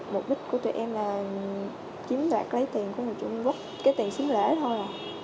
mục đích của tụi em là chiếm đoạt lấy tiền của người trung quốc cái tiền xứng lễ thôi mà